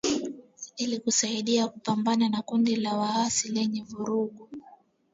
Ili kusaidia kupambana na kundi la waasi lenye vurugu.